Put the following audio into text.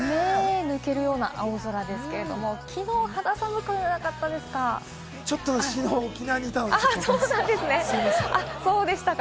抜けるような青空ですけれども、きのう肌寒かったじゃないですか。